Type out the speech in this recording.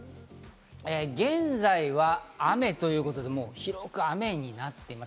現在は雨ということで、広く雨になっています。